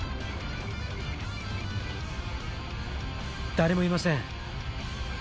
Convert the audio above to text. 誰もいません。